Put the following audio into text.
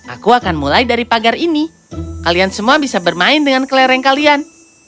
aku akan mulai dari pagar ini kalian semua bisa bermain dengan kelereng kalian